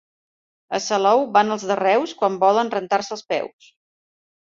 A Salou van els de Reus quan volen rentar-se els peus.